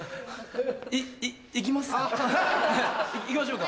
行きますか？